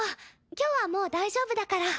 今日はもう大丈夫だから。